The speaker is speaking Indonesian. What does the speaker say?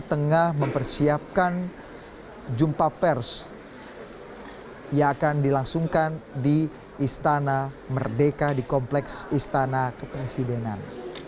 tengah mempersiapkan jumpa pers yang akan dilangsungkan di istana merdeka di kompleks istana kepresidenan